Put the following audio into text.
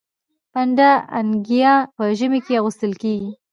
پنډه انګيا په ژمي کي اغوستل کيږي.